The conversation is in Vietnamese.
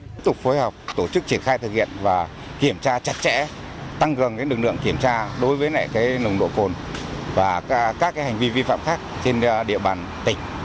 tiếp tục phối hợp tổ chức triển khai thực hiện và kiểm tra chặt chẽ tăng gần lực lượng kiểm tra đối với nồng độ cồn và các hành vi vi phạm khác trên địa bàn tỉnh